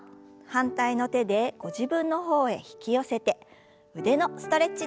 反対の手でご自分の方へ引き寄せて腕のストレッチです。